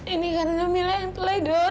ini karena mila yang telah edor